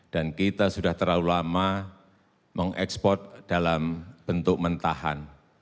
dan kita sudah terlalu lama mengekspor dalam bentuk mentahan